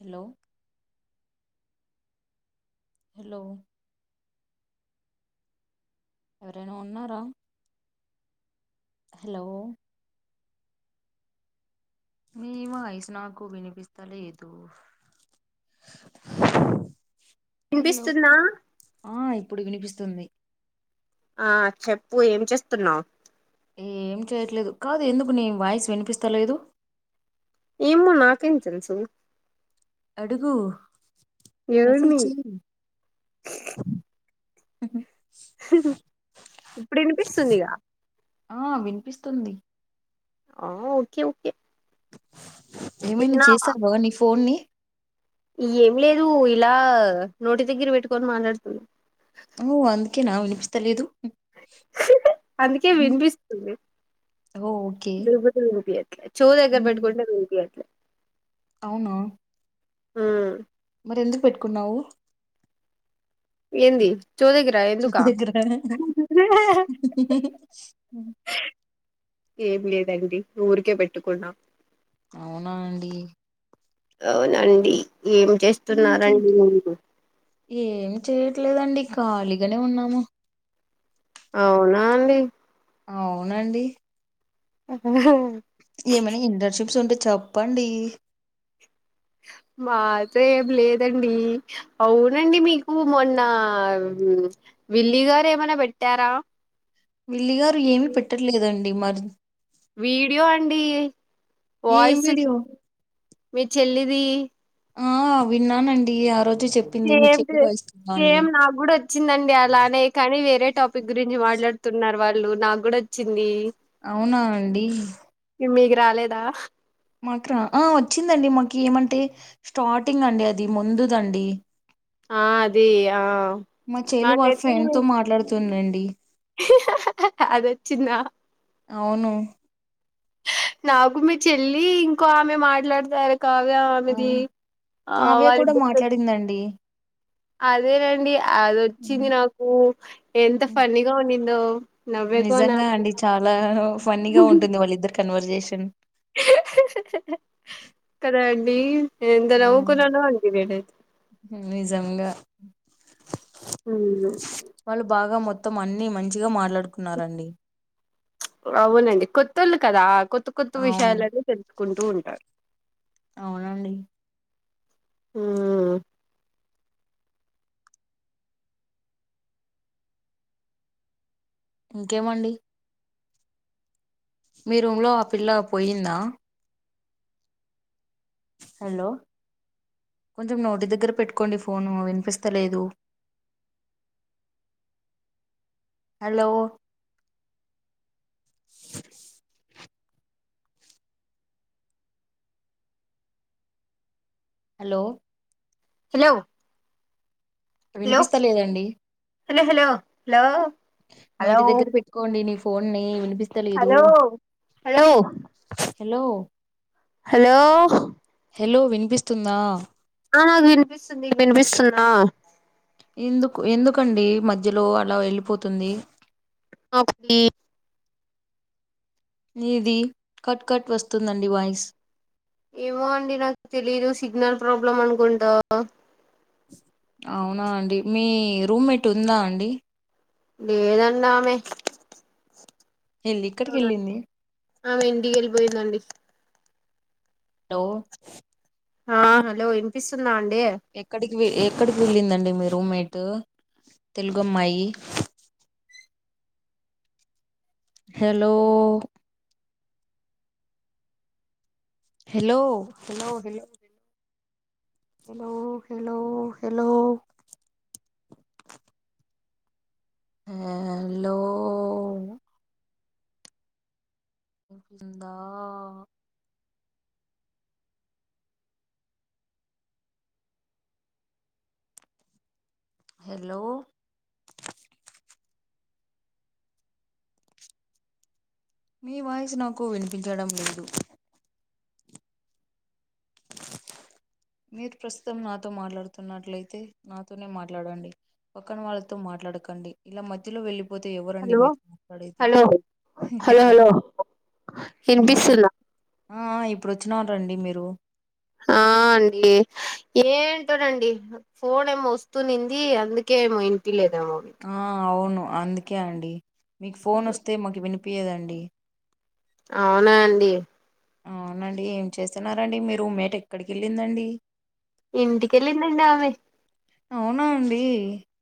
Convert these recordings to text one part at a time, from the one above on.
Hello hello ఎవరైనా ఉన్నారా hello నీ వాయిస్ నాకు వినిపిస్తా లేదు వినిపిస్తుందా ఆ ఇప్పుడు వినిపిస్తుంది ఆ చెప్పు ఏం చేస్తున్నావ్ ఏం చేయట్లేదు కాదు ఎందుకు నీ వాయిస్ వినిపిస్తలేదు ఏమో నాకేం తెల్సు అడుగు మెసేజ్ ఎవరిని చెయ్ అ ఇప్పుడు వినిపిస్తుందిగా ఆ వినిపిస్తుంది ఆ ఓకే ఓకే ఏమైనా తిన్నావా చేసావా నీ ఫోన్ ని ఏం లేదు ఇలా నోటి దగ్గర పెట్టుకొని మాట్లాడుతున్నా ఓ అందుకేనా వినిపిస్తలేదు అందుకే వినిపిస్తుంది ఓ ఓకే చెవు దగ్గర పెట్టుకోయింటే వినిపియట్లే అవున ఉ మరి ఎందుకు పెట్టుకున్నావు ఏంది చెవి ఎందుకా దగ్గర ఏం లేదండి ఊరికే పెట్టుకున్నా అవునా అండి అవునండి ఏం ఇంకేం చేస్తున్నారండి మీరు ఏం చేయట్లేదండి ఖాళీగానే ఉన్నాము అవునా అండి అవునండి ఆ ఏమనా ఇంటర్న్షిప్స్ ఉంటే చెప్పండి మాకే ఏమి లేదండి అవునండి మీకు మొన్న విల్లీ గారు ఏమనా పెట్టారా విల్లి గారు ఏమి పెట్టట్లేదండి మరి వీడియో అండి ఏం వాయిస్ వీడియో మీ చెల్లిది ఆ విన్నానండి ఆ రోజే చెప్ సేమ్ టు సేమ్ నాకు గూడా చ్చిందండి అలానే కానీ వేరే టాపిక్ గురించి మాట్లాడుతున్నారు వాళ్ళు నాకు కూడా వచ్చింది అవునా అండి మీకు రాలేదా మాక్ర ఆ వచ్చిందండి మాకి ఏమంటే స్టార్టింగ్ అండి అది ముందుదండి ఆ అది ఆ మా చెల్లి వాళ్ళ నాకైతే ఫ్రెండ్తో మాట్లాడుతుందండి అది వచ్చిందా అవును నాకు మీ చెల్లి ఇంకో ఆమె మాట్లాడతారు కావ్య ఆ ఆమిది ఆ వాళ్ళిద్దరు దండి అదేనండి అదొచ్చింది ఉమ్, నాకు ఎంత ఉమ్. ఫన్నీగా ఉంన్నిదో నిజంగా అండి చాలా ఫన్నీగా ఉంటుంది వాళ్ళిద్దరు కన్వర్జేషన్ కదా అండి నేను ఎంత అవును నవ్వుకున్నానో ఆండీ నెనైతే నిజంగా అవున వాళ్ళు బాగా మొత్తం అన్ని మంచిగా మాట్లాడుకున్నారండి అవునండి కొత్తోళ్ళు కదా కొత్త కొత్త అవును విషయాలన్నీ తెలుసుకుంటూ ఉంటారు అవునండి ఉమ్ ఇంకేమండి మీ రూమ్లో ఆ పిల్ల పోయిందా హలో కొంచెం నోటి దగ్గర పెట్టుకోండి ఫోను వినిపిస్తలేదు హలో హలో హలో వినిపిస్తలేదండి హలో హలో హలో హలో నోటి దగ్గర పెట్టుకోండి ని ఫోన్ని వినిపిస్ hello hello hello hello hello వినిపిస్తుందా ఆ నాకు వినిపిస్తుంది నీకు వినిపిస్తుందా ఎందుకు ఎందుకండి మధ్యలో అలా వెళ్ళిపోతుంది అప్డి నీది కట్ కట్ వస్తుందండి వాయిస్ ఏమో అండి నాకు తెలీదు సిగ్నల్ ప్రాబ్లమ్ అనుకుంటా అవునా అండి మీ రూమ్ మెంట్ ఉందా అండి లేదండ్ ఆమె ఏళ్లి ఏక్కడికి ఏళ్ళింది ఆమె ఇంటికి వెళ్ళిపోయిందండి డవ్ ఆ హలో వినిపిస్తుందా అండి ఎక్కడికి ఎక్కడికి వెళ్ళిందండి మీ రూమ్ మేట్ తెలుగు అమ్మాయి హలో హెలో హెలో హెల్ హలో హలో హలో హలో ఇనిపిస్తుందా హెలో మీ వాయిస్ నాకు వినిపించడం లేదు మీరు ప్రస్తుతం నాతో మాట్లాడుతున్నట్లయితే నాతోనే మాట్లాడండి పక్కన వాళ్ళతో మాట్లాడకండి ఇలా మధ్యలో వెళ్ళి పోతే ఎవరండి హలో మీతో మాట్లాడేది హలో హలో హమ్మయ్య వినిపిస్తుందా ఆ ఆ ఇప్పుడు వచ్చినరండి మీరు ఆ అండి ఏంటోనండి ఫోన్ ఏమో వస్తూనింది అందుకే ఏమో ఇనిపియ్యలేదేమో ఆ అవును అందుకే అండి మీకు ఫోన్ వస్తే మాకు వినిపియదండి అవునాండి అవునండి ఏం చేస్తున్నారండి మీ రూమ్ మేట్ ఎక్కడికి వెళ్ళిందండి ఇంటికెళ్ళిందండి ఆమె అవునా అండి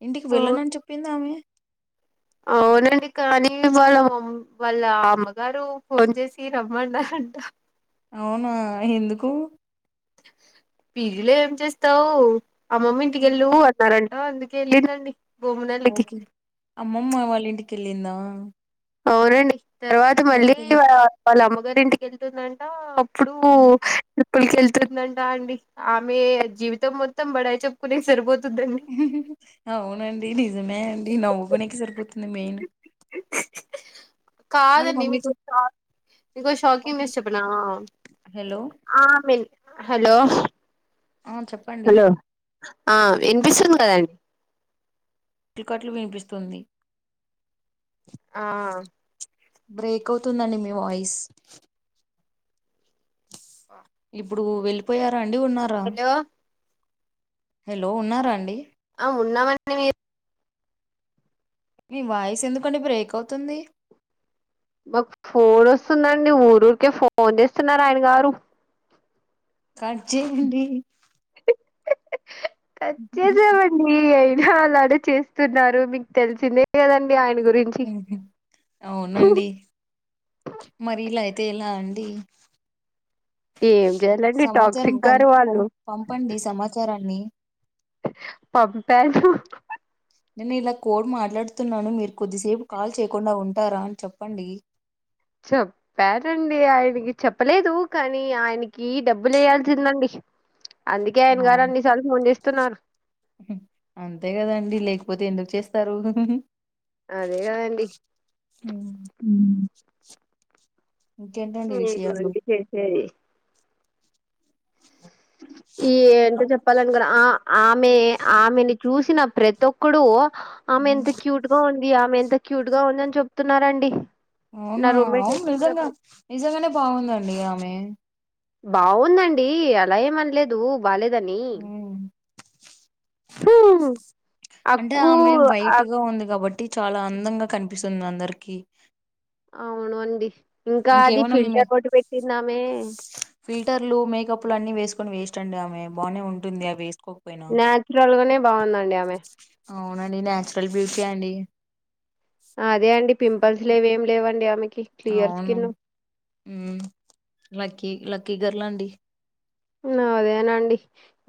ఇంటికి వెళ్ళనని చెప్పింది ఆమె అవునండి కానీ వాళ్ళ మామ్ వాళ్ళ అమ్మగారు ఫోన్ చేసి రమ్మన్నారంట అవునా ఎందుకు పీజీలో ఏం చేస్తావ్ అమ్మమ్మ ఇంటికెళ్ళు అన్నారంట అందుకే ఏళ్ళిందండి ఓకే అమ్మమ్మ వాళ్ళ ఇంటికి ఏళ్ళిందా అవునండి తర్వాత మళ్ళీ కదా వాళ్ళ అమ్మగారి ఇంటికెళ్తుందంట ఇప్పుడు ఉమ్. ట్రిపులకి వెళ్తుందంటా అండి ఆమె జీవితం మొత్తం బడాయి చెప్పుకునే సరిపోతుందండి అవునండి నిజమే అండి నవ్వుకునేనికి సరిపోతుంది మెయిన్ వాళ్ళ కాదండి మమ్మీతో మీకు షాక్ మీకొక షాకింగ్ న్యూస్ చెప్పనా హలో ఆమిన్ హలో ఆ చెప్ హలో ఆ వినిపిస్తుంది కదం కట్లుకట్లు వినిపిస్తుంది ఆ బ్రేక్ అవుతుందండి మీ వాయిస్ ఆ ఇప్పుడు వెళ్ళిపోయారా అండి, ఉన్నారా, హలో ఉన్నారా అండి. ఆ ఉన్నామండి. మీరు మీ వాయిస్ ఎందుకండి బ్రేక్ అవుతుంది. మాకు ఫోన్ వస్తుందండి. ఊరు ఊరికే ఫోన్ చేస్తున్నారు. ఆయన గారు కట్ చేయండి. కట్ చేసా అయినా అలాగే చేస్తున్నారు. మీకు తెలిసిందే కదండి. ఆయన గురించి ఉ అవునండి. మరి ఇలా అయితే ఎలాఅండి. ఏం చేయాలండి సమాచారం టాక్సిక్ గారు వాళ్ళు వచ్చారా అండి పంపాను. నేను ఇలా కోడ్ మాట్లాడుతున్నాను. మీరు కొద్దిసేపు కాల్ చేయకుండా ఉంటారా. అని చెప్పండి. చెప్పనండి ఆయనకి చెప్పలేదు కానీ ఆయనకి డబ్బులు వేయాల్సిందండి అందుకే ఆయన గారు అవును, అన్ని సార్లు ఫోన్ చేస్తున్నారు. అంతే కదండి. లేకపోతే ఎందుకు చేస్తారు. అదే కదండి ఉమ్, ఉ ఇంకేంటండి నీ విషయాలు గురించి చేసేది. ఈ ఎంత చెప్ప చెప్పాలని ఆ ఆమె ఆమెని చూసిన ప్రతి ఒక్కడూ ఆమె ఉమ్, ఎంత క్యూట్ టుగా ఉంది. ఆమె ఎంత క్యూట్ గా ఉందని చెప్తున్నారండి. నా అవునా రూమ్మేట్ అవును నిజంగా నిజంగానే బాగుందండి. ఆమె బావుందండి. అలా ఏమనలేదు బాలేదని ఉమ్. హ అంటే ఆమె వైట్ గా ఉంది కాబట్టి చాలా అందంగా కనిపిస్తుంది. అందరికి అవునుండి. ఇంకా అది ఇంకేమైనా మె ఫిల్టర్ బొట్టు పెట్టిందామే. ఫిల్టర్లు మేకప్లు అన్ని వేసుకొని వేస్ట్ అండి. ఆమె బానే ఉంటుంది. అవి వేసుకో న్యాచురల్ గానే బాగుందండి. ఆమె అవునండి. న్యాచురల్ బ్యూటీ అండి అదే అండి పింపుల్స్ లేవేమి అదేమీలేవండి. ఆమెకి క్లియర్ అవును స్కిన్ ఉ లక్కీ లక్కీ గర్ల్ అండి. నాదేనండి.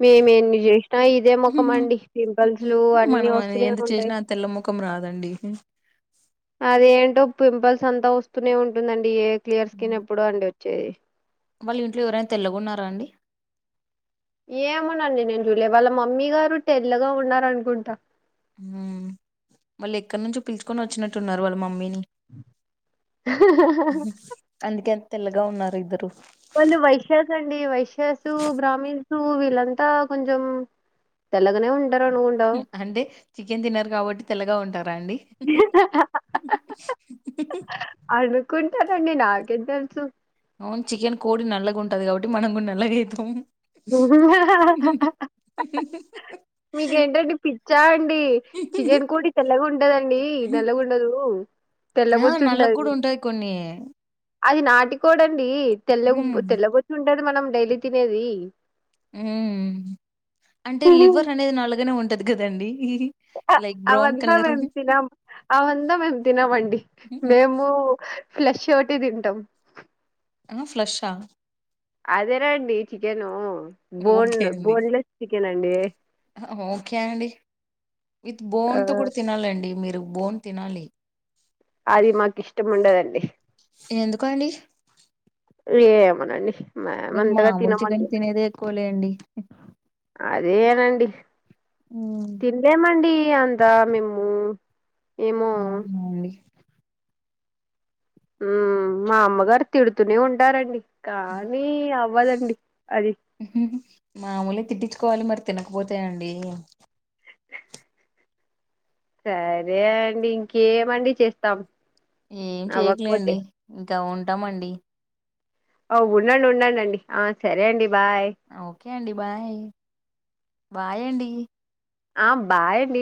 మేము ఎన్ని చేసినా ఇదే ముఖమండి పింపుల్స్ అన్ని మనం వస్తూనే ఎంత ఉంటాయి. చేసినా తెల్ల ముఖం రాదండి. అది ఏంటో పింపుల్స్ అంతా వస్తూనే ఉంటుందండి. ఏ క్లియర్ స్కిన్ ఎప్పుడో అండి వచ్చేది. వాళ్ళఇంట్లో ఎవరైనా తెల్లగున్నర అండి. ఏమోనండి. నేను చూలే వాళ్ళ మమ్మీ గారు తెల్లగా ఉన్నార్ అనుకుంటా. వాళ్ళు ఎక్కడి నుంచో పిలుచుకొని వచ్చినట్టున్నారు. వాళ్ళ మమ్మీని అందుకే అంత తెల్లగా ఉన్నారు. ఇద్దరు వాళ్లు వైశ్యస్, అండి వైశ్యసు, బ్రాహ్మీన్సు, వీళ్ళంతా కొంచెం తెలగనే ఉన్ అంటే చికెన్ తినర్ కాబట్టి తెల్లగా ఉంటారా అండి. హు హు హు అనుకుంటారండి నాకేం తెలుసు అవున్ చికెన్ కోడి నల్లగా ఉంటది కాబట్టి మనం కూడా నల్లగైయితాం ఉహా హా హా హా ఉహు మీకేంటండి పిచ్చా అండి చికెన్ కోడి తెల్లగా ఉంటదండి నల్లగా ఉండదు ఆ నల్లగ కూడా తెల్లబొచ్చువుంటాది ఉంటాయి కొన్ని అది నాటికోడండి తెల్ల హ్మ్ తెల్లబొచ్చు ఉంటది మనం డైలీ తినేది ఉమ్ అంటే లివర్ అనేది నల్లగనే ఉంటది కదండి అ లైక్ బ్రౌన్ అవంతం కలర్ మేం తినం అవంతా మేము తినమండి మేము ఫ్లెష్ ఔటే తింటాం అ ఫ్లెష్ఆ అదేనండి చికెను ఓకే బోన్లు అండి బోన్లెస్ చికెన్ అండి ఓకే అండి విత్ ఆ బోన్ తో కూడా తినాలండి మీరు బోన్ తినాలి అది మాకు ఇష్టం ఉండదండి ఎందుకండి ఏమోనండి మేమ్ అంతగా తినమండి కోలే అండి అదేనండి మ్ తిన్లేమండి అంతా మేము ఏమో అవునండి మా అమ్మగారు తిడుతూనే ఉంటారండి కానీ అవ్వదండి అది మామూలే తిట్టించుకోవాలి మరి తినకపోతే అండి సరే అండి ఇంకేమండి చేస్తాం ఏం అవ్వకపోతే చేయట్లేండి ఇంకా ఉంటామండి అ ఉన్నండీ ఉన్నండండీ ఆ సరే అండి బాయ్ ఓకే అండి బాయ్ బాయ్ అండి ఆ బాయండి